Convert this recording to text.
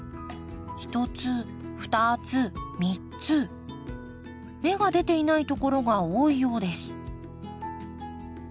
１つ２つ３つ芽が出ていないところが多いようです。